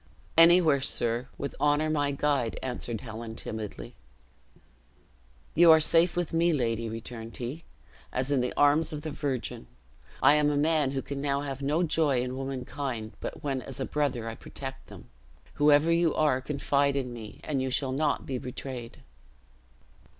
"Anywhere, sir, with honor my guide," answered Helen, timidly. "You are safe with me, lady," returned he, "as in the arms of the Virgin. I am a man who can now have no joy in womankind, but when as a brother I protect them. Whoever you are, confide in me, and you shall not be betrayed."